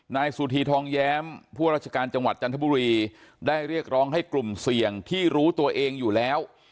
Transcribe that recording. นายสุธีทองแย้มผู้ราชการจังหวัดจันทบุรีได้เรียกร้องให้กลุ่มเสี่ยงที่รู้ตัวเองอยู่แล้ว